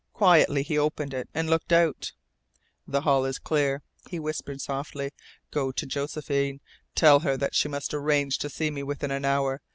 Quietly he opened it, and looked out. "The hall is clear," he whispered softly. "Go to Josephine. Tell her that she must arrange to see me within an hour.